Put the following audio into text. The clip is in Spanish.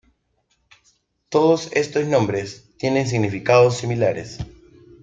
Todos estos nombres tienen significados similares.